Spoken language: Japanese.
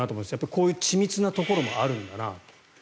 こういう緻密なところもあるんだなと。